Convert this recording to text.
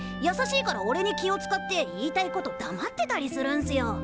やさしいからおれに気をつかって言いたいことだまってたりするんすよ。